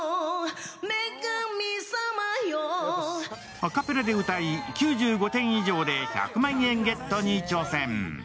アカペラで歌い９５点以上で１００万円ゲットに挑戦。